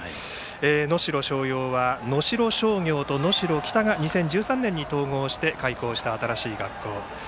能代松陽は能代商業と能代北が２０１３年に統合して開校した新しい学校です。